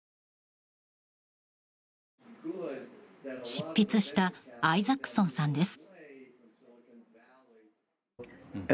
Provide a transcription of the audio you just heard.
執筆したアイザックソンさんです。